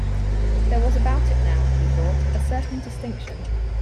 There was about it now, he thought, a certain distinction.